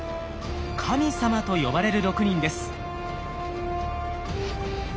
「神様」と呼ばれる６人です。